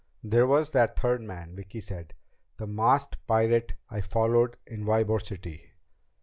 "There was that third man," Vicki said. "The masked pirate I followed in Ybor City."